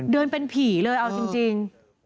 เดินเป็นผีเลยเอาจริง